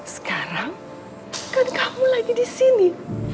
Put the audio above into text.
sekarang kan kamu lagi di sini